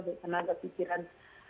dari tenaga pikiran